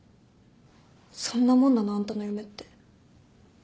そんなもんなの？あんたの夢って。